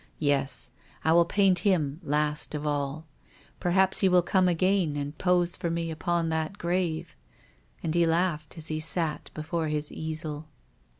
Yes, I will paint him last of all. Perhaps he will come again and pose for mc upon that grave." And he laughed as he sat before his easel.